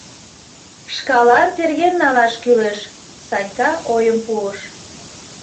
Шкалан терген налаш кӱлеш, — Санька ойым пуыш.